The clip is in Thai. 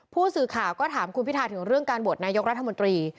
ผู้สื่อข่าวก็ถามคุณพิทาถึงเรื่องการโหวตนายกรัฐมนตรี